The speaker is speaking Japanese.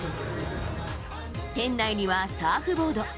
店内にはサーフボード。